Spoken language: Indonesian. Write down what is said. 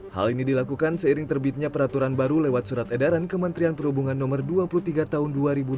hal ini dilakukan seiring terbitnya peraturan baru lewat surat edaran kementerian perhubungan no dua puluh tiga tahun dua ribu dua puluh